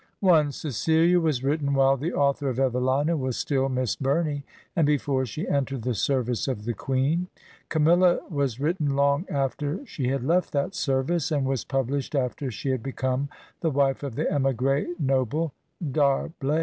"Cecilia '' was written while the author of "Evelina '* was still Miss Bumey, and before she entered the service of the Queen ; "Camilla " was written long after she had left that service, and was pubHshed after she had become the wife of the 6migr6 noble D'Arblay.